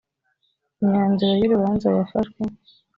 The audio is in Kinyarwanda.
imyanzuro yu rubanza yafashwe